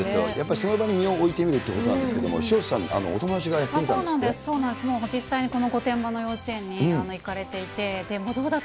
その場に身を置いてみるということなんですけど、潮田さん、そうなんです、実際にこの御殿場の幼稚園に行かれていて、どうだった？